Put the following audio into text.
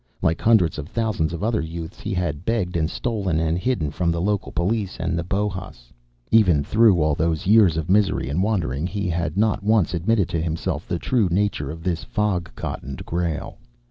Like hundreds of thousands of other youths, he had begged and stolen and hidden from the local police and the Bohas. Even through all those years of misery and wandering, he had not once admitted to himself the true nature of this fog cottoned grail.